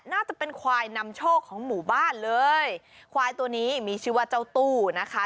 น่าจะเป็นควายนำโชคของหมู่บ้านเลยควายตัวนี้มีชื่อว่าเจ้าตู้นะคะ